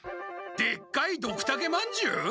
でっかいドクタケまんじゅう？